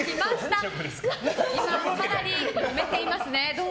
かなりもめていますね。